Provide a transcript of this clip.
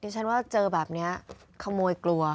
ฉันว่าเจอแบบนี้ขโมยกลัว